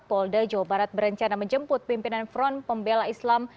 polda jawa barat berencana menjemput pimpinan front pembela islam